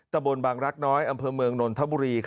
ตะบนบางรักน้อยอำเภอเมืองนนทบุรี